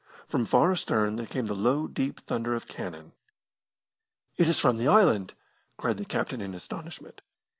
From far astern there came the low, deep thunder of cannon. "It is from the island!" cried the captain in astonishment.